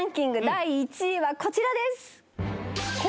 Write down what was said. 第１位はこちらです